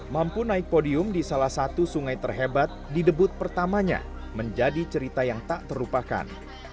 mampu naik podium di salah satu sungai terhebat di debut pertamanya menjadi cerita yang tak terlupakan